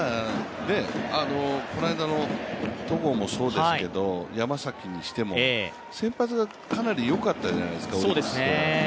この間の戸郷もそうですけど、山崎にしても先発がかなりよかったじゃないですか、オリックスが。